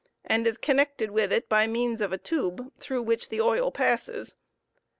and is connected with it by means of a tube through which the oil passes.